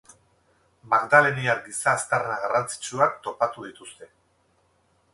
Magdaleniar giza-aztarna garrantzitsuak topatu dituzte.